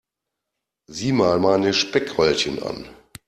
Sieh mal meine Speckröllchen an.